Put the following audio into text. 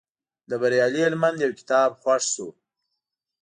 د بریالي هلمند یو کتاب خوښ شو.